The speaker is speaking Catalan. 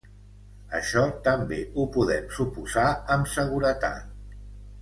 Això també ho podem suposar amb seguretat.